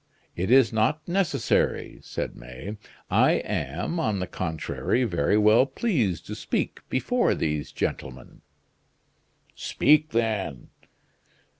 "It is not necessary," said May, "I am, on the contrary, very well pleased to speak before these gentlemen." "Speak, then."